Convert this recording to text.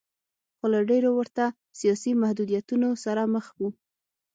خو له ډېرو ورته سیاسي محدودیتونو سره مخ و.